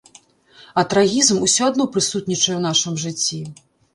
А трагізм усё адно прысутнічае ў нашым жыцці.